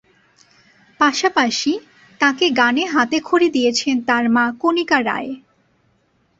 পাশাপাশি, তাকে গানে হাতে খড়ি দিয়েছেন তার মা কণিকা রায়।